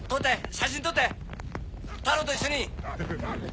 写真撮ってタロと一緒に！